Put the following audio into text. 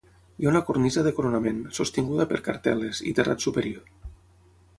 Hi ha una cornisa de coronament, sostinguda per cartel·les, i terrat superior.